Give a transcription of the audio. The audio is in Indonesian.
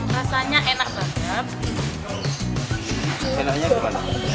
rasanya enak banget